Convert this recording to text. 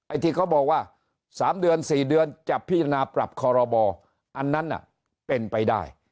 ที่เขาบอกว่า๓เดือน๔เดือนจะพิจารณาปรับคอรมออันนั้นเป็นไปได้